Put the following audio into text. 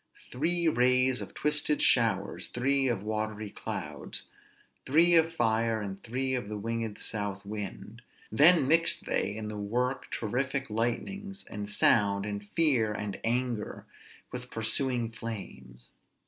"_Three rays of twisted showers, three of watery clouds, three of fire, and three of the winged south wind; then mixed they in the work terrific lightnings, and sound, and fear, and anger, with pursuing flames.